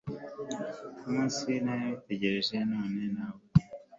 wo munsi twari dutegereje None turawubonye